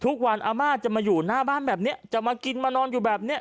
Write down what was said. อาม่าจะมาอยู่หน้าบ้านแบบนี้จะมากินมานอนอยู่แบบนี้